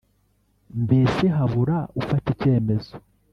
mbese habura ufata icyemezo